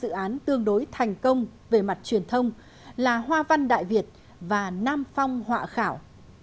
dự án tương đối thành công về mặt truyền thông là hoa văn đại việt và nam phong họa khảo